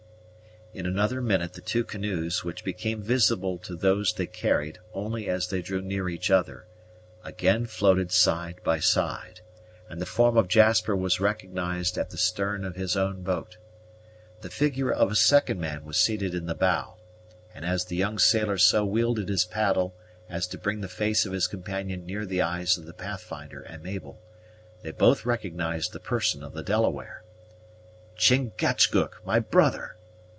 In another minute the two canoes, which became visible to those they carried only as they drew near each other, again floated side by side, and the form of Jasper was recognized at the stern of his own boat. The figure of a second man was seated in the bow; and, as the young sailor so wielded his paddle as to bring the face of his companion near the eyes of the Pathfinder and Mabel, they both recognized the person of the Delaware. "Chingachgook my brother!"